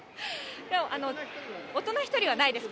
大人１人はないです。